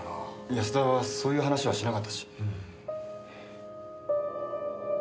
安田はそういう話はしなかったし。